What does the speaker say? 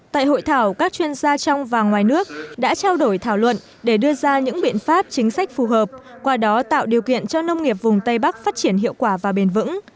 tại hội thảo các chuyên gia trong và ngoài nước đã trao đổi thảo luận để đưa ra những biện pháp chính sách phù hợp qua đó tạo điều kiện cho nông nghiệp vùng tây bắc phát triển hiệu quả và bền vững